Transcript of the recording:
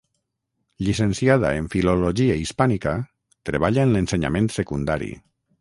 Llicenciada en filologia hispànica, treballa en l’ensenyament secundari.